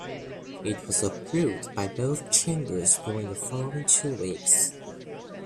It was approved by both chambers during the following two weeks.